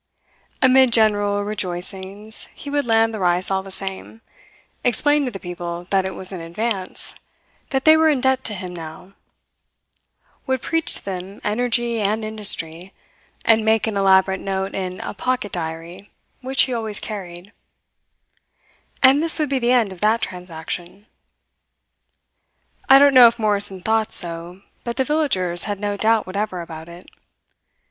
Amid general rejoicings, he would land the rice all the same, explain to the people that it was an advance, that they were in debt to him now; would preach to them energy and industry, and make an elaborate note in a pocket diary which he always carried; and this would be the end of that transaction. I don't know if Morrison thought so, but the villagers had no doubt whatever about it.